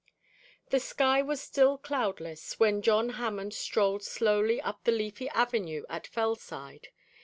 The sky was still cloudless when John Hammond strolled slowly up the leafy avenue at Fellside.